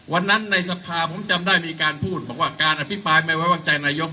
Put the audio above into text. ในสภาผมจำได้มีการพูดบอกว่าการอภิปรายไม่ไว้วางใจนายก